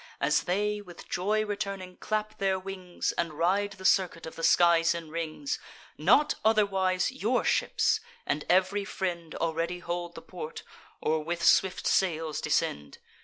As they, with joy returning, clap their wings, And ride the circuit of the skies in rings; Not otherwise your ships, and ev'ry friend, Already hold the port, or with swift sails descend.